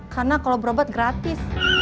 karena kalau berobat gratis